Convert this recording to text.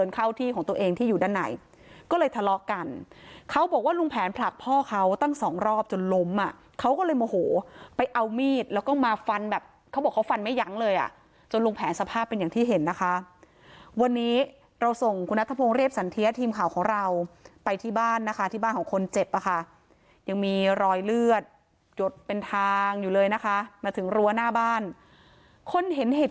เข้าที่ของตัวเองที่อยู่ด้านในก็เลยทะเลาะกันเขาบอกว่าลุงแผนผลักพ่อเขาตั้งสองรอบจนล้มอ่ะเขาก็เลยโมโหไปเอามีดแล้วก็มาฟันแบบเขาบอกเขาฟันไม่ยั้งเลยอ่ะจนลุงแผนสภาพเป็นอย่างที่เห็นนะคะวันนี้เราส่งคุณนัทพงศ์เรียบสันเทียทีมข่าวของเราไปที่บ้านนะคะที่บ้านของคนเจ็บอ่ะค่ะยังมีรอยเลือดหยดเป็นทางอยู่เลยนะคะมาถึงรั้วหน้าบ้านคนเห็นเห็น